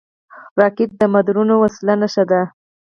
راکټ د مدرنو وسلو نښه ده